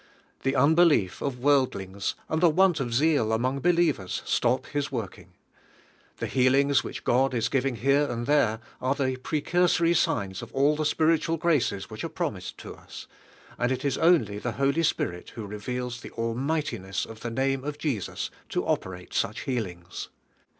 The unbelief of world lings and the want of zeal among believ ers stop His working. The healings which God is giving here and there are the pre cursory signs of alll the spiritual graces which are promised to us, and it is only the Holy Spirit who reveals the almigihti &ess of the name of Jesus to operate snoh healings.